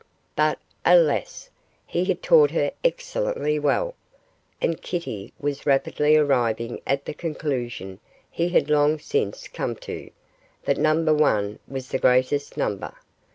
But, alas! he had taught her excellently well, and Kitty was rapidly arriving at the conclusion he had long since come to, that number one was the greatest number.